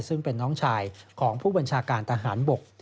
ซึ่งเป็นน้องชายของผู้บัญชาการทหารบก